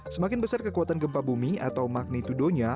semakin besar kekuatan gempa bumi atau magnitudonya